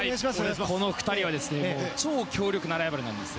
この２人は超強力なライバルなんです。